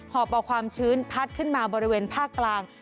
อบเอาความชื้นพัดขึ้นมาบริเวณภาคกลาง